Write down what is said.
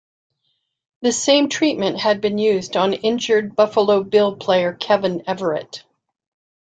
This same treatment had been used on injured Buffalo Bill player Kevin Everett.